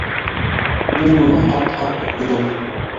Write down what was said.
Мин уны ҡат-ҡат уҡыным